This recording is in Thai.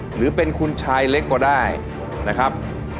หรือเป็นคุณชายเล็กก็ได้นะครับ